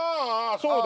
そうだ！